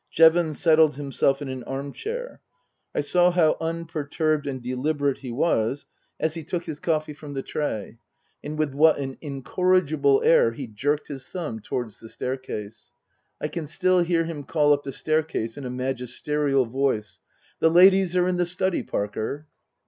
Jevons settled himself in an armchair. I saw how un perturbed and deliberate he was as he took his coffee from Book II : Her Book 209 the tray, and with what an incorrigible air he jerked his thumb towards the staircase. I can still hear him call up the staircase in a magisterial voice, " The ladies are in the study, Parker."